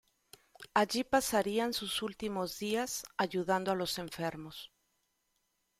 Allí pasarían sus últimos días, ayudando a los enfermos.